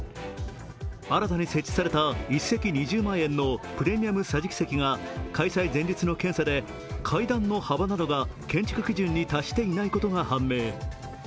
新たに設置された１席２０万円のプレミアム桟敷席が開催前日の検査で階段の幅などが建築基準に達していないことが判明。